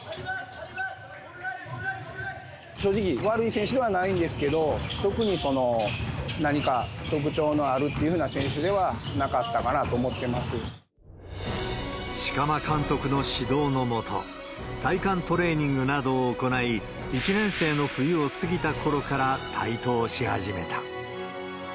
正直、悪い選手ではないんですけど、特に何か特徴のあるっていうふうな選手ではなかったかなと思って色摩監督の指導の下、体幹トレーニングなどを行い、１年生の冬を過ぎたころから台頭し始めた。